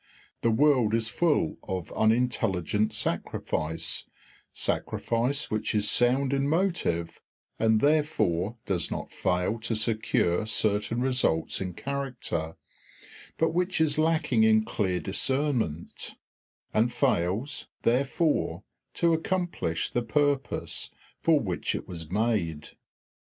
The world is full of unintelligent sacrifice, sacrifice which is sound in motive, and therefore does not fail to secure certain results in character, but which is lacking in clear discernment, and fails, therefore, to accomplish the purpose for which it was made.